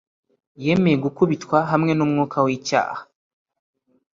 yemeye gukubitwa hamwe n'umwuka w'icyaha